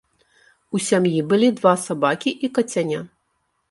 У сям'і былі два сабакі і кацяня.